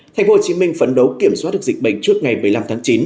thành phố hồ chí minh phấn đấu kiểm soát được dịch bệnh trước ngày một mươi năm tháng chín